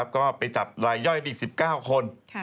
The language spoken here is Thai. ก็ไปจับรายย่อยอีก๑๙คน